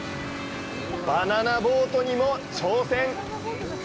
バナナボートにも挑戦！